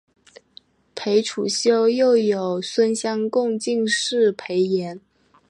裴处休又有孙乡贡进士裴岩。